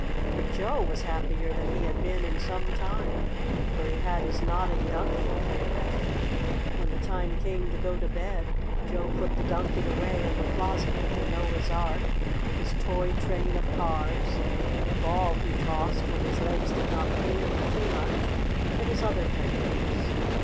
But Joe was happier than he had been in some time, for he had his Nodding Donkey to play with. When the time came to go to bed, Joe put the Donkey away in the closet with the Noah's Ark, his toy train of cars, the ball he tossed when his legs did not pain him too much, and his other playthings.